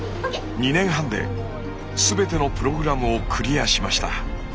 ２年半ですべてのプログラムをクリアしました。